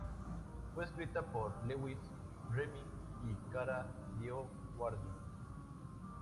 Fue escrita por Lewis, Remi y Kara DioGuardi.